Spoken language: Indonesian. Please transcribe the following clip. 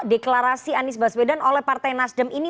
deklarasi anies baswedan oleh partai nasdem ini